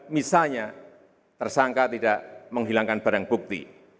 misalnya tersangka tidak menghilangkan barang bukti